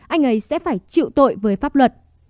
anh ấy sẽ phải chịu tội với pháp luật